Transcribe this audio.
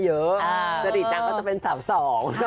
เยอะจะดีดนักก็จะเป็นสาวสอง